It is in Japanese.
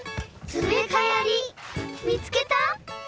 つべかやりみつけた？